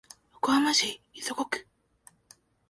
横浜市磯子区